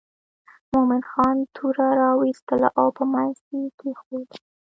مومن خان توره را وایستله او په منځ یې کېښووله.